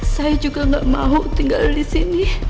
saya juga gak mau tinggal disini